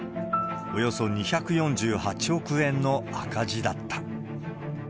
およそ２４８億円の赤字だった。